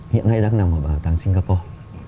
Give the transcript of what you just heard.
hiện nay đang nằm ở bảo tàng singapore